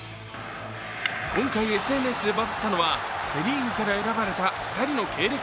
今回、ＳＮＳでバズったのはセ・リーグから選ばれた２人の経歴。